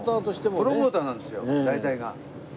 プロモーターなんですよ大体が。